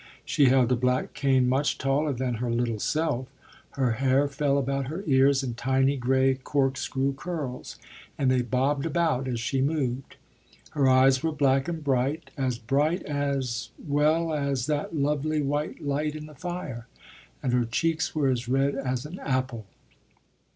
She held a black cane much taller than her little self. Her hair fell about her ears in tiny, grey corkscrew curls; and they bobbed about as she moved. Her eyes were black and bright as bright as well, as that lovely, white light in the fire. And her cheeks were as red as an apple.